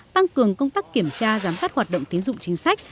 tăng cường công tác kiểm tra giám sát hoạt động tiến dụng chính sách